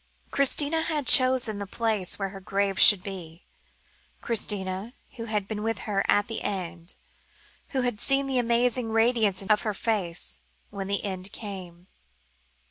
Christina had chosen the place where her grave should be Christina, who had been with her at the end, who had seen the amazing radiance of her face, when the end came.